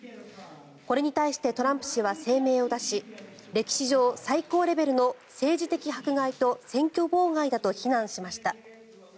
これに対してトランプ氏は声明を出し歴史上最高レベルの政治的迫害と選挙妨害だと非難しました。